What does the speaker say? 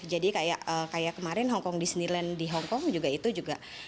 jadi kayak kemarin hongkong disneyland di hongkong juga itu juga